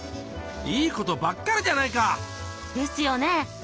いいことばっかりじゃないか！ですよね！